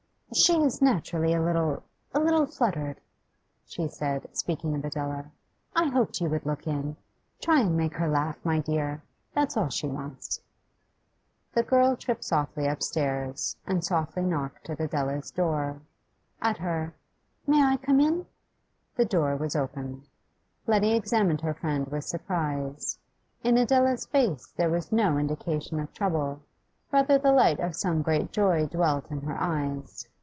'She is naturally a little a little fluttered,' she said, speaking of Adela. 'I hoped you would look in. Try and make her laugh, my dear; that's all she wants.' The girl tripped softly upstairs, and softly knocked at Adela's door. At her 'May I come in?' the door was opened. Letty examined her friend with surprise; in Adela's face there was no indication of trouble, rather the light of some great joy dwelt in her eyes.